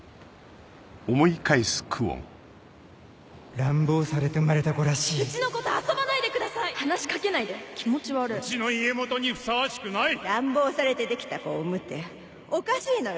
乱暴されて生まれた子らしいうちの子と遊ばないでくださ話し掛けないで気持ち悪うちの家元にふさわしくない乱暴されてできた子を産むっておかしいのよ